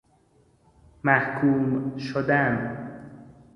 محکوم شدن